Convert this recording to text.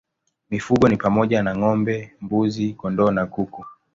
Mifugo ni pamoja na ng'ombe, mbuzi, kondoo na kuku.